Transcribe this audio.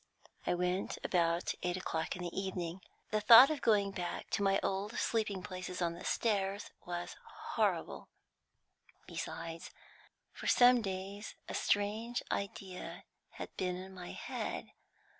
I went about eight o'clock in the evening. The thought of going back to my old sleeping places on the stairs was horrible. Besides, for some days a strange idea had been in my head.